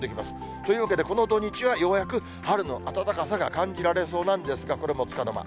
というわけでこの土日は、ようやく春の暖かさが感じられそうなんですが、これもつかの間。